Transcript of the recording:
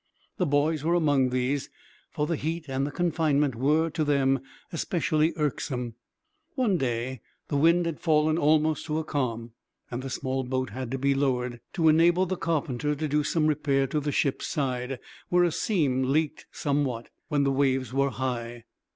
The boys were among these, for the heat and the confinement were, to them, especially irksome. One day the wind had fallen almost to a calm, and the small boat had been lowered, to enable the carpenter to do some repair to the ship's side, where a seam leaked somewhat, when the waves were high.